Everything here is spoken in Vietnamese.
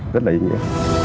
rất là ý nghĩa